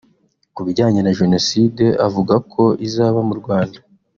Kubijyanye na Jenoside avuga ko izaba mu Rwanda